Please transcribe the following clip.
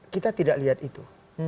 kita tidak lihat itu